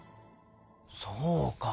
そうか。